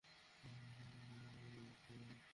কোনও প্রতিক্রিয়া দেখাবে না।